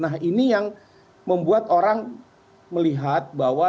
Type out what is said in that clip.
nah ini yang membuat orang melihat bahwa